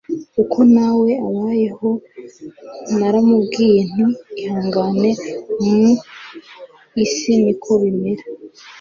uko nawe abayeho naramubwiye nti ihangane mu is niko bimera gusa